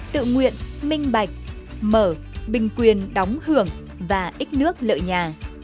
tự nguyện minh bạch mở bình quyền đóng hưởng và ít nước lợi nhà